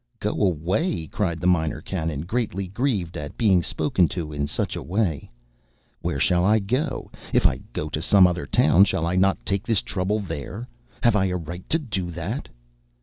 "Go away!" cried the Minor Canon, greatly grieved at being spoken to in such a way. "Where shall I go? If I go to some other town, shall I not take this trouble there? Have I a right to do that?"